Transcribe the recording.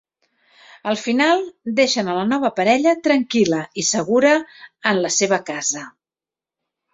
Al final deixen a la nova parella tranquil·la i segura en la seva casa.